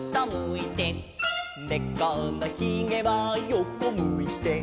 「ねこのひげは横むいて」